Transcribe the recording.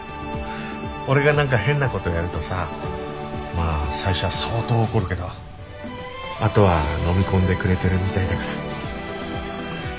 俺がなんか変な事やるとさまあ最初は相当怒るけどあとはのみ込んでくれてるみたいだから。